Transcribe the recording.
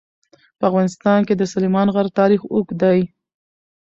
په افغانستان کې د سلیمان غر تاریخ اوږد دی.